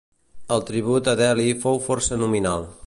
El tribut a Delhi fou força nominal.